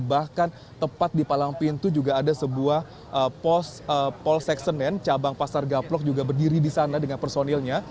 bahkan tepat di palang pintu juga ada sebuah pos polsek senen cabang pasar gaplok juga berdiri di sana dengan personilnya